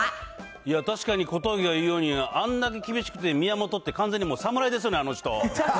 いや、確かに小峠が言うように、あんだけ厳しくて宮本って、完全に侍ですよね、あの人。